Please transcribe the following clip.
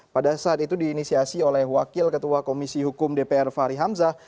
pada saat itu diinisiasi oleh wakil ketua komisi hukum dpr fahri hamzah